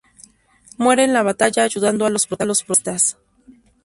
Muere en la batalla ayudando a los protagonistas.